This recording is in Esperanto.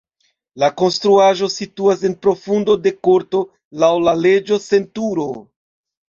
La konstruaĵo situas en profundo de korto, laŭ la leĝo sen turo.